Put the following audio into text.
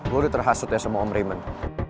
lo udah terhasut ya sama om raymond